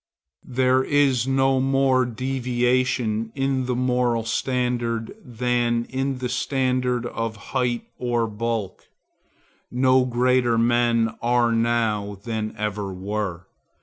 There is no more deviation in the moral standard than in the standard of height or bulk. No greater men are now than ever were.